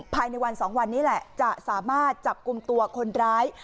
ภายในวัน๒วันนี้แหละจะสามารถจับกลุ่มตัวคนร้าย